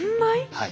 はい。